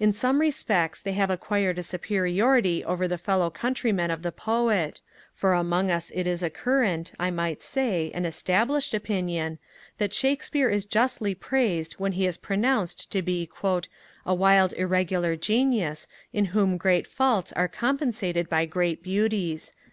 In some respects they have acquired a superiority over the fellow countrymen of the Poet: for among us it is a current, I might say, an established opinion, that Shakespeare is justly praised when he is pronounced to be 'a wild irregular genius, in whom great faults are compensated by great beauties.'